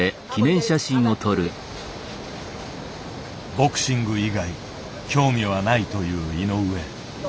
ボクシング以外興味はないという井上。